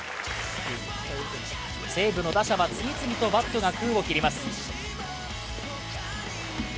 西武の打者は次々とバットが空を切ります。